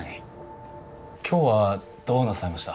今日はどうなさいました？